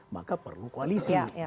maka perlu koalisi